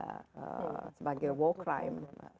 mengajukan putin kepada sebagai war crime